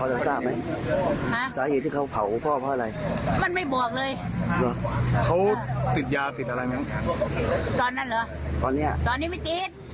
ยาเส้นแม่ไม่ได้ซื่อมาจากบุญญิต